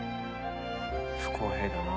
不公平だな。